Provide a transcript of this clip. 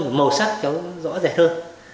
màu sắc cháu cũng rõ rệt hơn